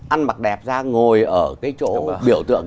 ăn mặc đẹp ra ngồi ở cái chỗ biểu tượng